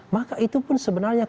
maka itu pun sebenarnya